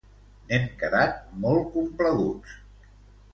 N'hem quedat molt complaguts.